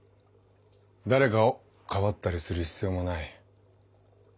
誰かを庇ったりする必要もない。